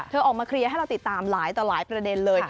เธอออกมาครียะให้เราติดตามหลายประเด็นเลย